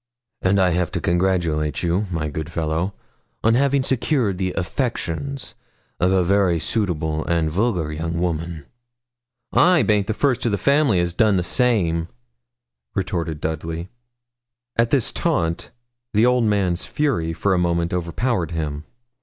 'And I have to congratulate you, my good fellow, on having secured the affections of a very suitable and vulgar young woman.' 'I baint the first o' the family as a' done the same,' retorted Dudley. At this taunt the old man's fury for a moment overpowered him.